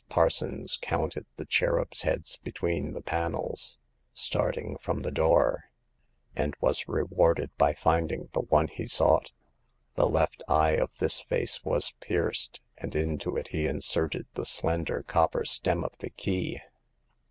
Parsons counted the cherubs' heads between the panels, starting from the door, and was rewarded by finding the one he sought. The left eye of this face was pierced, and into it he inserted the slender copper stem of the key.